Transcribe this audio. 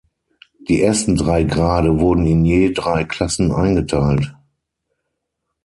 Die ersten drei Grade wurden in je drei Klassen eingeteilt.